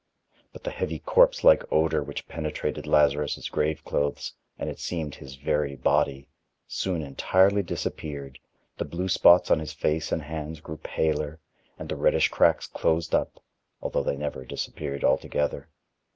But the heavy corpse like odor which penetrated Lazarus' graveclothes and, it seemed, his very body, soon entirely disappeared, the blue spots on his face and hands grew paler, and the reddish cracks closed up, although they never disappeared altogether.